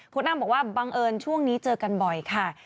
คุณอ้ำบอกว่าบังเอิญช่วงนี้เจอกันบ่อยค่ะ